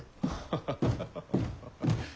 ハハハハハ。